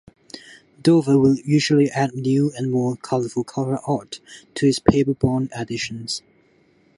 Dover will usually add new and more colorful cover art to its paper-bound editions.